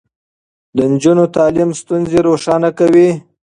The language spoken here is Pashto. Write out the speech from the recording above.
د نجونو تعليم ستونزې روښانه کوي.